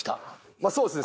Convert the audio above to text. まあそうですね。